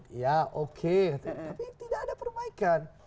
tapi tidak ada perbaikan